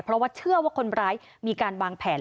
เพราะว่าเชื่อว่าคนร้ายมีการวางแผน